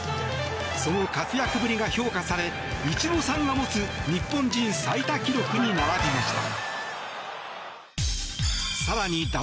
その活躍ぶりが評価されイチローさんが持つ日本人最多記録に並びました。